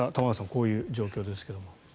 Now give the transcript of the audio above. こういう状況ですけれど。